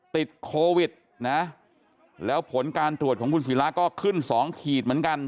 ติดโควิดนะแล้วผลการตรวจของคุณศิราก็ขึ้น๒ขีดเหมือนกัน